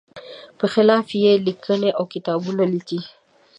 په خلاف یې لیکنې او کتابونه لیکي.